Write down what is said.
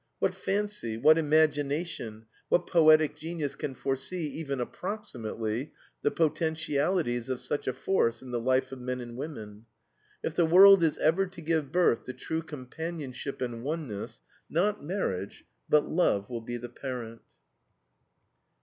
What fancy, what imagination, what poetic genius can foresee even approximately the potentialities of such a force in the life of men and women. If the world is ever to give birth to true companionship and oneness, not marriage, but love will be the parent.